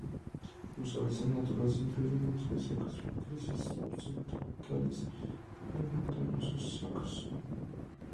Sus hábitats naturales incluyen bosques secos tropicales o subtropicales y montanos secos.